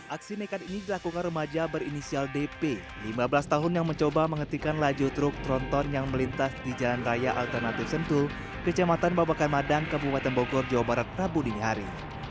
aksi nekat ini dilakukan remaja berinisial dp lima belas tahun yang mencoba mengetikan laju truk tronton yang melintas di jalan raya alternatif sentul kecamatan babakan madang kabupaten bogor jawa barat rabu dinihari